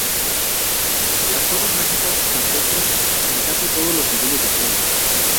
Las gotas mágicas se encuentran en casi todos los niveles del juego.